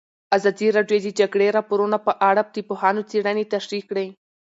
ازادي راډیو د د جګړې راپورونه په اړه د پوهانو څېړنې تشریح کړې.